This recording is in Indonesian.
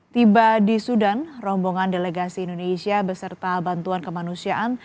tiba di sudan rombongan delegasi indonesia beserta bantuan kemanusiaan